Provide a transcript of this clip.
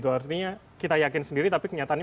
artinya kita yakin sendiri tapi kenyataannya